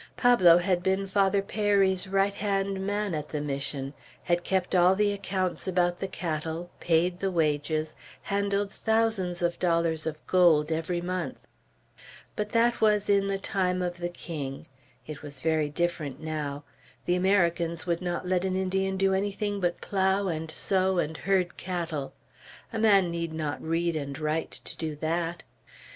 Pablo had been Father Peyri's right hand man at the Mission; had kept all the accounts about the cattle; paid the wages; handled thousands of dollars of gold every month. But that was "in the time of the king;" it was very different now. The Americans would not let an Indian do anything but plough and sow and herd cattle. A man need not read and write, to do that.